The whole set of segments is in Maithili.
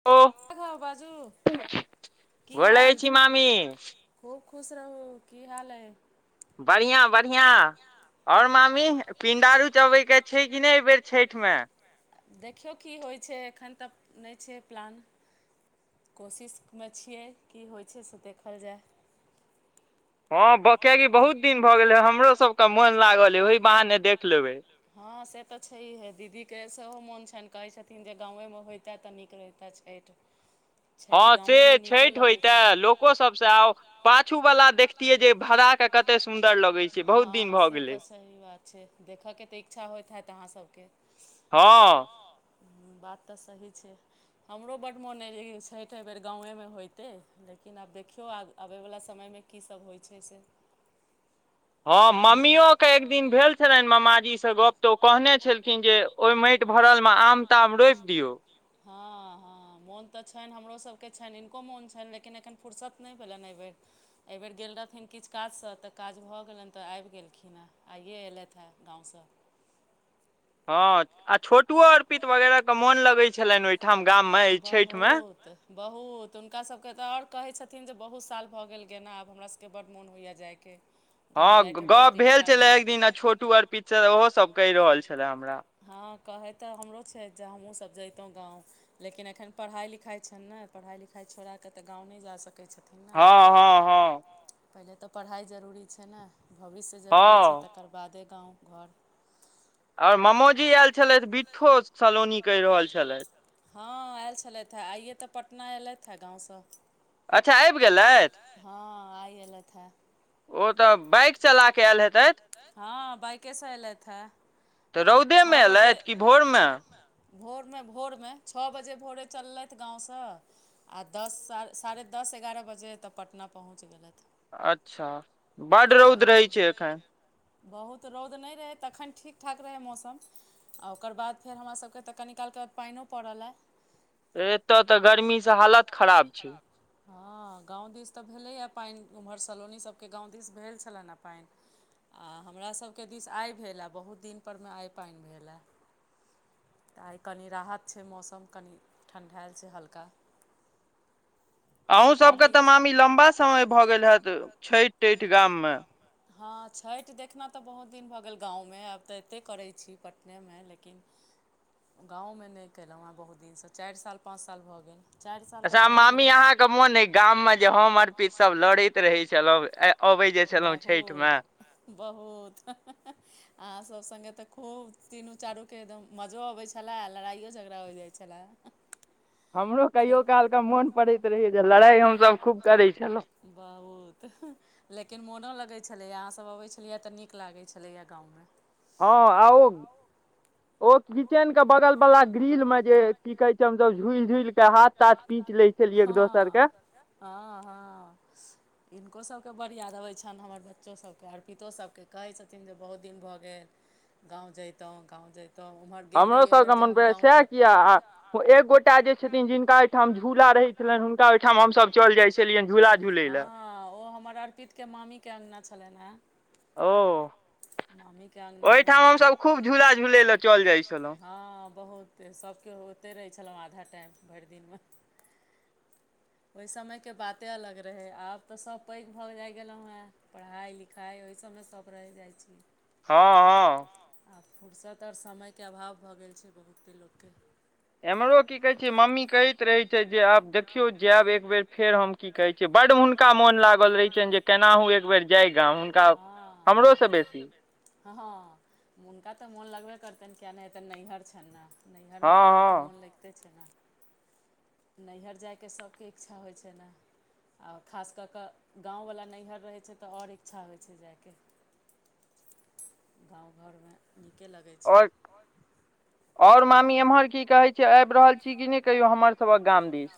[unintelligible] की हाल गोर लगे छी मामी खूब खुश रहू की हाल अय बड़िआँ बड़िआँ ओर मामी पिण्डारुच अबै केँ छै कि नै एहि बेेर छैठ मे देखियौ की होइ छै एखन तक नै छै प्लान कोशिश में छिए की होइ छै से देखल जाए हँ ब किआकि बहुत दिन भऽ गेलै हमरो सब केँ मोन लागल यऽ ओहि बहाने देख लेबै हँ से तऽ छैहे दीदी केँ सेहो मोन छैन कहै छथिन जे गाँवे होइते तऽ नीक रहिते छैठ [inaudible] हँ से छैठ होयते लोको सब सँ आउ पाछू वला देखतियै जे खड़ा कऽ कते सुंदर लगे छै बहुत दिन भए गेले सही बात छै देख केँ तऽ इच्छा होइत होैत अहाँ सब केँ हऽ बात तऽ सही छै हमरो बड मोन हो जे छैठ एबेर गाँव में होइतै लेकिन आब देखियौ आ आबय वला समय में की सभ होइ छै से [inaudible] हँ मम्मीयो केँ एक दिन भेल छलैन मामाजी से गप तऽ ओ कहने छलखिन जे ओइ माइट भरल म आम ताम रोइप दियौ हऽ हऽ मोन तऽ छैन हमरो सभ केँ छैन हिनको मोन छैन लेकिन एखन फर्सत नै भेलनि ऐबेर एबेर गेल रहथि एखन किछ काज सँ तऽ काज भऽ गेलेन तऽ आइब गेलखिन हँ आइए ऐलैथ है गाँव स हँ आ छोटुओ अर्पित वगैरह केँ मोन लगै छलैन ओहिठाम गाम मे यै छैठ म बहुत हुनका सभ केँ तऽ और कहै छथिन जे बहुत साल भऽ गेल गोना आब हमरा सब केँ बड मोन होइया जाइ केँ [unintelligible] हँ गप भेल छलै एक दिन आ छोटू अरपित सँ ओहो सभ कहि रहल छलै हमरा हँ कहै तऽ हमरो छै जे हमहु सब जैतु गाँव लेकिन एखन पढ़ाइ लिखाइ छैन न पढ़ाइ लिखाइ छोड़ा कऽ तऽ गांव नै जा सकैत छथिन ह ह ह पहिले तऽ पढ़ाइ जरूरी छै न भविष्य जरूरी छै तकर बादे गाँव घर और मामोजी ऐल छलैथ बिट्ठो सलोनी कहि रहल छलैथ हँ ऐल छलैथ है आइए तऽ पटना एलैइथ है गाँव सँ अच्छा आइब गेले हँ आइ एलेथ हे ओ ओ तऽ बाइक चला केँ ऐल हेते हँ बाइके से एलैथ है छ बजे [unintelligible] भोरमे भोरमे छः बजे भोरे चललैथ गाँव सँ आ दस साढ़े दस एगारह बजे एत पटना पहुँच गेलैथ अच्छा बड रौद रहैत छै एखन बहुत रौद नै रहै तखन ठीक ठाक रहै मौसम आ ओकर बाद फेर हमरा सभ केँ तऽ कनी काल केँ बाद पाइनो पड़ल ऐ एतय तऽ गर्मी से हालत खराब छै हँ गाँव दिस तऽ भेलैए पानि ओम्हर सलोनी सबके गाम दिस भेल छलनि हँ पानि आ हमरा सभके दिस आय भेल हे बहुत दिन परमे आइ पानि भेल हे तऽ आइ कनि राहत छै मौसम कनि ठण्ढाएल छै हल्का [inaudible] अहूँ सबके तऽ मामी लम्बा समय भऽ गेल हेत छठि टठि गाम मे हँ छठि देखना तऽ बहुत दिन भऽ गेल गाँव में आब तऽ एते करै छी पटने मे लेकिन गाँव मे नहि केलहुँ हँ बहुत दिन सँ चारि साल पाँच साल भऽ गेल अच्छा मामी अहाँके मोन अइ गाममे जे हम अर्पित सभ लड़ैत रहैत छलहुँ ऐ अबै जे छलहुँं छैठ मे बहुत ह -ह -ह अहाँ सभ संग तऽ खूब तीनू चारू के एकदम मजो अबैत छले आ लड़ाइयो झगड़ा होइ जाइ छलय हमरो कहियो कालके मोन पड़ैत रहैए जे लड़ाइ हमसभ खूब करै छलहुँ बहुत लेकिन मोनो लगैत छलैए अहाँसभ अबैत छलैए तऽ नीक लागैत छलैए गाँवमे हँ आ ओ ओ किचेन के बगल बला ग्रील मे जे की कहय छै हम सभ झुलि झुल के हाथ ताथ पीच लै छलै एक दोसर कऽ हँ हँ हुनको सभकेँ बढ़िया रहै छनि हमर बच्चो सभके अरपितो सभकेँ कहै छथिन जे बहुत दिन भऽ गेल गाँव जइतों गाँव जइतों तऽ ओम्हर हमरो सबके मन वैह सएह किया आ एक गोटा जे छथिन जिनका जिनका ओइ ठाम [unintelligible] जिनका ओइ ठाम हम सभ चलि जाय छलियै हँ ओ हमर आर के मामीके अङ्गना छलनि हेँ ओ ओहि ठाम हमसभ खूब झूला झुलै लए चलि जाइ छलहुँ हँ बहुत तऽ सभ किओ ओहइते रहै छलहुँ आधा टाइम भरि दिनमे ओहि समयके बाते अलग रहै आब तऽ सभ पैघ भऽ जाइ गेलहुँ हेँ पढ़ाइ लिखाइ ओहिसभमे सभ रहय जाइ छी हँ हँ आब फुरसैत आओर समयके अभाव भऽ गेल छै बहुते लोककेँ एमहरो की कहै छै मम्मी कहैत रहे छै जे आब देख देखियौ जायब एक बेेर फेर हम की कहै छियै बड्ड हुनका मोन लागल रहै छनि जे केनाहु एकबेर जाय गाम हुनका हमरोसँ बेसी हँ हँ हुनका तऽ मोन लगबे करतनि कियाक नहि हेतनि नैहर छनि ने नैहरमे तऽ लोक सबके मोन लगिते छै ने नैहर जायके सबके इच्छा होइ छै नऽ आ खास कऽ कऽ गाँववला नैहर रहै छै तऽ आओर इच्छा होइ छै जायके गाँव घरमे नीके लगै छैय आओर मामी एम्हर की कहैत छै आबि रहल छी कि नहि कहियौ हमर सभक गाम दिस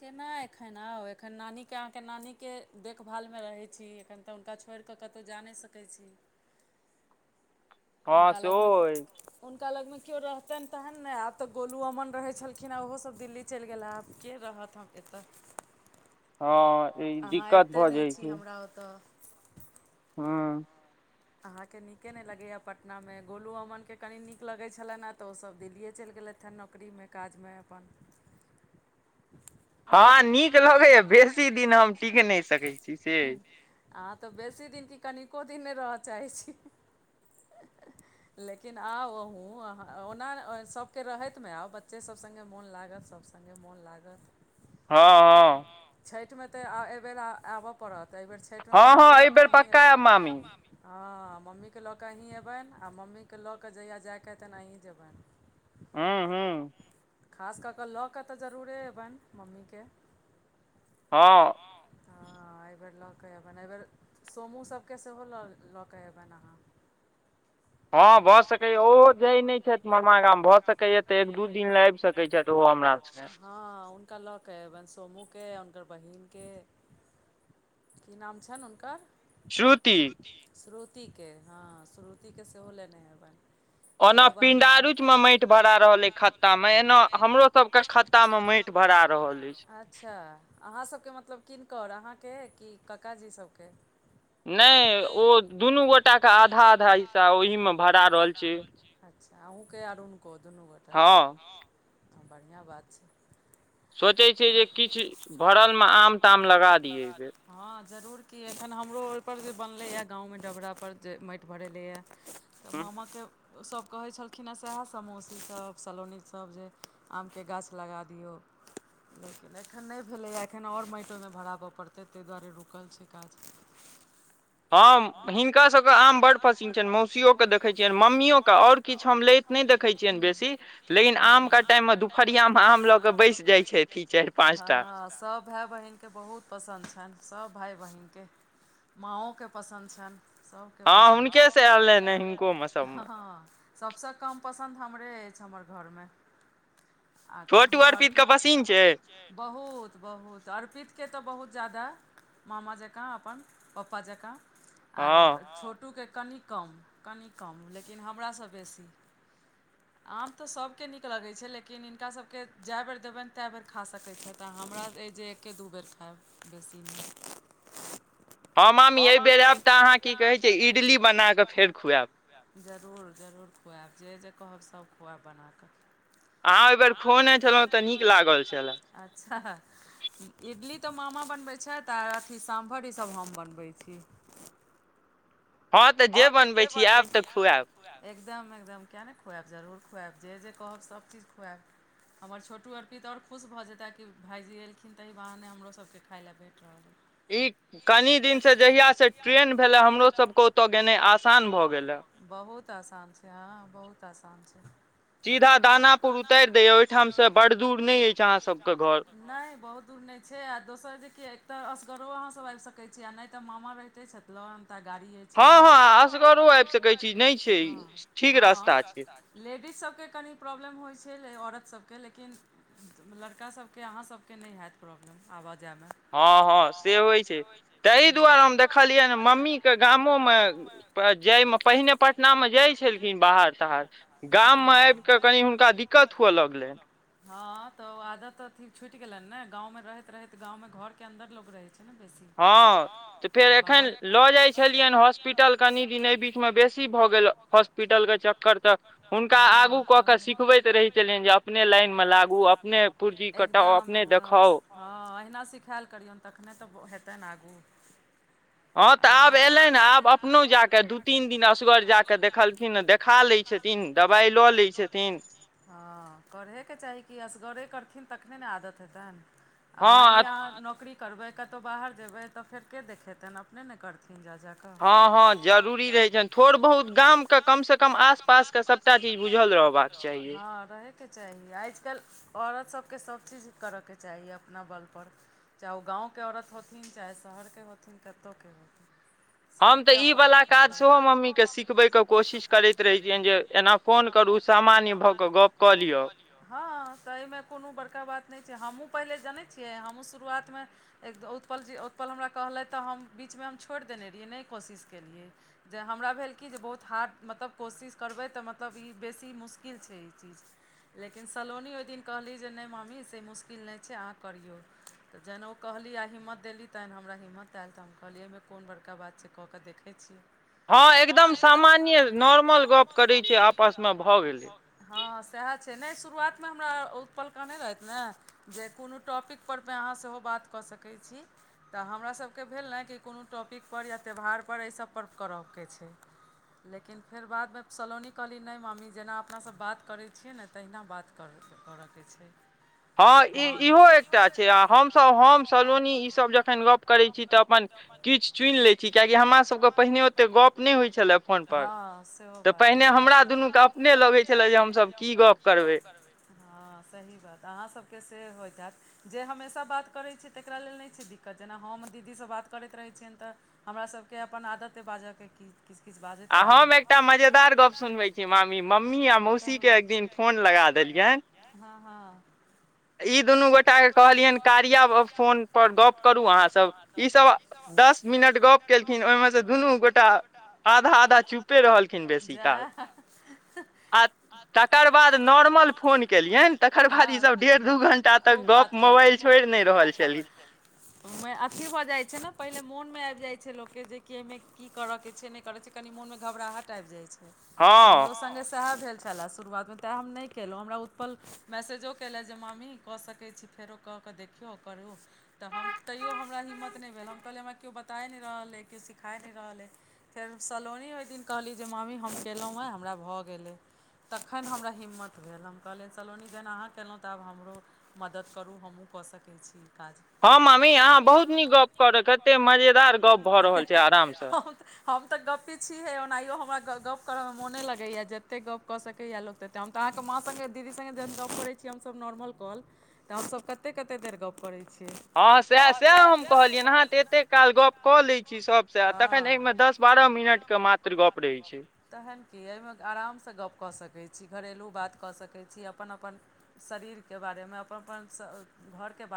केना एखन आउ एखन नानीके अहाँके नानीके देखभालमे रहै छी एखन तऽ हुनका छोड़ कऽ कतहु जा नहि सकै छी उनका लगमे हुनका लगमे केओ रहतैन तहन नऽ आब तऽ गोलू अमन रहै छलखिन आ ओहो सभ दिल्ली चलि गेल आब के रहत हम एतऽ हँ ए ई दिक्कत भऽ जाइत छै [unintelligible] तऽ हँ। अहाँके नीके नय लगैए पटनामे गोलू अमनके कनी नीक लगै छलनि हें तऽ ओसभ दिल्लिए चलि गेलथि नौकरीमे काजमे अपन आब हँ नीक लगैए बेसी दिन हम टीक नय सकैत छियै। अहाँ तऽ बेसी दिन की कनिको दिन नय रह चाहै छी। लेकिन आउ अहूँ अहाँ ओना सभके रहैतमे आउ बच्चे सभ सङ्गे मोन लागत सभ संगे कने मोन लागत हँ हँ छठिमे तऽ एहिबेर आबय पड़त एहिबेर छठिमे मम्मीकेँ लऽ कऽ अहीँ अयबै हँ हँ एहि बेर पक्का आयब मामी हँ मम्मीके लऽ कऽ अहीँ एबनि आओर मम्मीके लऽ कऽ जहिया जाइके हइ तहन अहीँ जेबनि [inaudible] हुँ हुँ खास कऽ कऽ लऽ कऽ तऽ जरूरे एबनि मम्मीके हँ हुँ हँ एहिबेर लऽ कऽ एबनि एहिबेर सोमू सबके सेहोऽ लऽ कऽ एबनि अहाँ [inaudible] हँ भऽ सकैय ओहो जाय नय छथि ममा गाम भऽ सकैया तऽ एक दू दिन ल आबि सकै छथि ओ हमरा संगे हँ हुनका लऽ केऽ एबनि सोमूके हुनकर बहिनके की नाम छनि हुनकर श्रुति श्रुतिके हँ श्रुतिके सेहो लेने एबनि ओना पिंडारुच मे माटि भरा रहल अय खत्ता मे एना हमरो सब के खत् त्ता मे माटि भरा रहल अछि अच्छा अहाँ सबके मतलब किनकर अहाँके की ककाजी सबके नय ओ दुनू गोटाके आधा आधा हिस्सा ओहिमे भरा रहल छै। अच्छा अहुँके आर हुनको दुनू गोटाके हँ बढ़ियाँ बात छै। सोचै छियै जे किछु भरलमे आम ताम लगा दियै एहि बेर हँ जरूर की एखन हमरो ओहि पर जे बनलै ये गाँव मे डबरा पर जे माटि भरेलै ये तऽ मामाके ओ सभ कहै छलखिन हेँ सैहे सलोनी सभ सलौनी सभ जे आमके गाछ लगा दियौ [inaudible] लेकिन एखन नहि भेलैए एखन आओर माटि ओहिमे भराबऽ पड़तै ताहि दुआरे रुकल छै काज [inaudible] हम हिनकासभके आम बड पसिन छनि मौसियो ओके देखै छियनि मम्मियओके आओर किछ हम लैत नय देखै छियनि बेसी लेकिन आम के टैम मे दुपहरिया मे आम लऽकऽ बैसि। बैस जाइ छै हँ सब भाइ बहिनके बहुत पसन्द छनि सभ भाइ बहिनके माँओे के पसन्द छनि सभके पसन्द छनि हँ हुनके से हैब लेने हँ सभसँ कम पसन्द हमरे अछि हमर घरमे छोटू अरपित के पसीन छै जी बहुत बहुत अर्पितके तऽ बहुत जादा मामा जकाँ अपन पप्पा जकाँ आर छोट छोटूके कनी कम कनी कम लेकिन हमरासँ बेसी आम तऽ सभके नीक लगैत छै लेकिन हिनका सभके जए बेर देबनि ओतेक बेर खा सकैत छथि आ हमरा अछि जे एके दू बेर खायब बेसी नहि हँ मामी एहि बेर आयब तऽ अहाँ की कहै छै इडली बना कऽ फेर जरूर जरूर खुआएब जे जे कहब सभ खुआएब बना कऽ अहाँ ओहि बेर खोने छलहुँ तऽ नीक लागल छलए अच्छा इटली तऽ मामा बनबैत छथि आ अथी साम्भर ईसभ हम बनबैत छी। हँ तऽ जे बनबैत छी आब तऽ एकदम एकदम किएक नहि खुआएब जरूर खुआएब जे जे कहब सभचीज खुआएब हमर छोटू अरपित तऽ आओर खुश भऽ जेतै कि भायजी अयलखिन तऽ ई बहाने हमरोसभके खाय लेल भेट रहल अइ ई कनी दिन से जहिया से ट्रेन भेले हमरो सब कऽ ओते, [unintelligible] बहुत आसान छै हँ बहुत आसान छै सीधा दानापुर उतारि दैए ओहिठामसँ बड़ दूर नहि अछि अहाँसभके घर नहि बहुत दूर नहि छै आ दोसर जे कि एक तऽ असगरो अहाँसभ आबि सकै छी आ नहि तऽ मामा रहिते छथिन। लऽ आनतय गारीए हँ हँ, असगरो आबि सकैत छी नहि छै ठीक रास्ता छै। लेडीजसभके कनि प्रॉब्लम होइ छल औरतसभके लेकिन। लड़का सभके अहाँसभके नहि हैत प्रॉब्लम आबऽ जायमे हँ हँ से होइ छै ताहि दुआरे हम देखलियै मम्मी के गाम जायमे पहिने पटनामे जाइ छलखिन बाहर ताहर गाममे आबिकऽ कनि हुनका दिक्कत हुअ लगलनि हँ तऽ आदत अथी छूट गेलन ने गां में रहैत रहेैत गांवं घर के अंन्दर लोग रहे बेसी [unintelligible] हँ हॉस्पिटल कनि दिन एहि बीच में बेसी भऽ गेल हॉस्पिटल के चक्कर तऽ हुनका आगू कऽ के सिखबे रहै छलियनि जे अपने लाइन मे लागू अपने पुर्जी कटाउ अपने देखाउ हँ अहिना सिखाल करियौन तखने तऽ हेतनि ने आगू हँ तऽ आब एयलै आब अपनो जाकऽ दू तीन दिन असगर जाकऽ देखलखिन देखा लै छथिन दबाइ लऽ लै छथिन हँ करहेके चाही कि असगरे करथिन तखने नऽ आदत हेतनि आ मानि लिय आहाँ नोकरी करबै कतौ बाहर जेबै तऽ फेर के देखेतनि अपने ने करथिन जा ज कऽ हँ हँ जरूरी रहै छनि थोड़ बहुत गामके कमसँ कम आसपासके सब सबटा चीज बुझल रहबा कऽ चाही हऽ रहे [unintelligible] करय के चाही आजकल्हि औरत सभके सभचीज करयके चाही अपना बलपर चाहे ओ गाँवके औरत होथिन चाहे शहरके होथिन कतहुँके होथिन हम तऽ ईवला काज सेहो मम्मीकेँ सिखबयके कोशिश करैत रहैत छियनि जे एना फोन करू सामान्य भऽ कऽ गप्प कऽ लिौ हँ तऽ एहिमे कोनो बड़का बात नहि छै हमहूँ पहिले जनैत छियै हमहूँ शुरुआतमऽ एक ओतपल जे ओत पल हमरा कहलै तऽ हम बीचमे हम छोड़ि देने रहियै नहि कोशिश केलियै जे हमरा भेल कि जे बहुत हार्ड मतलब कोशिश करबै तऽ मतलब ई बेसी मुश्किल छै ई चीज लेकिन सलोनी ओहि दिन कहली जे नहि मम्मी से मुश्किल नहि छै अहाँ करियौ तऽ जखन ओ कहली आ हिम्मत देली तेहन हमरा हिम्मत आयल तऽ हम कहलियै एहिमे कोन बड़का बात छै कऽ कऽ देखैत छीियै हँ एकदम सामान्य नॉर्मल गप करै छऽ आपसमे भऽ गेलै हँ सएह छै नहि शुरुआतमे हमरा ओ पलक नहि रहत ने जे कोनो टॉपिकपर मेअहाँ सेहो बात कऽ सकै छी तऽ हमरासबके भेल न कि कोनो टॉपिकपर या त्यौहारपर एहिसबपव करयके छै लेकिन फेर बादमे सलोनी कहलीयै नै मम्मी जेना अपना सब बात करै छियै न तहिना बात करै करके छै हँ ई इहो एकटा छै आ हमसब हम सलोनी ईसब जखन गप करैत छी तऽ अपन त अपन किछ चुनि लैछी कियाकी हमरा सबके पहिने ओते गप नै होय छल हँ सेहो बात [unintelligible] अपने लगै छलै जे हमसब की गप करबै हँ सही बात अहाँ सबके से हो होईत हैत जे हमेशा बात करैत छै तकरा लेल नै छै दिक्कत जेना हम दीदीसँ बात करैत रहै छियनि तऽ हमरा सबके अपन आदत अइ बाजऽके की किछु किछु बाजैत रहलौं आ हम एकटा मजेदार गप [unintelligible] छी खुशी के एक दिन फोन लगा देलियैनि हँ हँ ई दुनू गोटाके कहलियनि कारिया फोनपर गप्प करू अहाँसब ईसब दस मिनट गप। केलखिन ओईमे स दुनू गोटा आधा आधा चुपे रहलखिन बेसी काल। आ तकर बाद नॉर्मल फोन केलियनि तकर बाद ईसब खूब बात केलकै [unintelligible] उ मे अथी भ जाइ छै न पहिले मोन मे आबि जाइ छै छै लोकके जेकी एहिमे की करऽ के छै नै करऽके छै कनि मोनमे घबराहट आबि जाइ छै। हमरो सङ्गे सएह भेल छलए। शुरुआतमे तैँ हम नै केलौं हमरा उत्पल मैसेजो केलथि जे मामी कऽ सकै छी फेरो। कऽ देखियौ करु तऽ हम तैयो हमरा हिम्मत नै भेल हम कहलिय हमरा केओ बताए नै रहल अई कियो सिखाय नै रहल अई फेर सलोनी ओहि दिन कहली जे मामी हम केलौं हँ हमरा भऽ गेलै। तखन हमरा हिम्मत भेल हम कहलियैन सलोनी जहन अहाँ कलौं तऽ आब हमरो। मदद करू हमु कऽ सकै छी ई काज। हँ मामी अहाँ बहुत नीक गप करऽ कतेक मजेदार गप भऽ रहल छै आरामसँ। हम तऽ गपी छीे ओनाहियो हमरा गप्प करऽमे मो ने लगैया जतेक गप। कऽ सकैया लोक तऽ अहाँके माँ सङ्गे दीङ्गे ज गप करैत छी हमसब नॉर्मल कल। तऽ हमसब कते कते देर गप करै छी। हँ सएह सएह हम कहलियनि अहाँ तऽ एतेक काल गप कऽ लै छी सबसे तखन एहि मे दस बारह मिनट के मात्र गप रहै छै। तहन की एहिमे आरामसँ गप कऽ सकै छी घरेलू बात कऽ सकैत छी अपन अपन। शरीरके बारेमे अपन अपन स घरके बारे